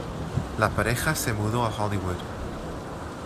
La pareja se mudó a Hollywood.